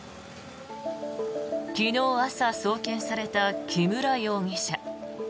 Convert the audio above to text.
昨日朝、送検された木村容疑者。